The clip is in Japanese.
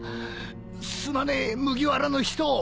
すまねえ麦わらの人。